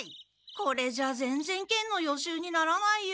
これじゃぜんぜん剣の予習にならないよ。